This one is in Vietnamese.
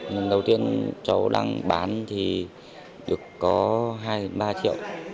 lần đầu tiên cháu đang bán thì được có hai ba triệu